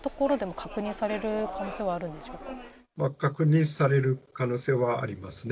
確認される可能性はありますね。